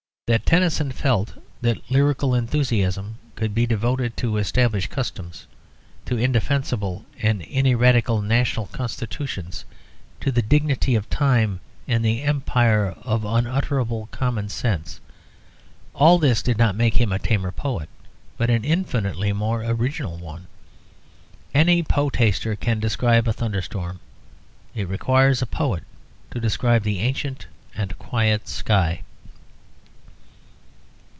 That Tennyson felt that lyrical enthusiasm could be devoted to established customs, to indefensible and ineradicable national constitutions, to the dignity of time and the empire of unutterable common sense, all this did not make him a tamer poet, but an infinitely more original one. Any poetaster can describe a thunderstorm; it requires a poet to describe the ancient and quiet sky.